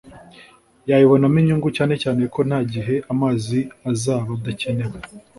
yabibonamo inyungu (cyane cyane ko nta gihe amazi azaba adakenewe)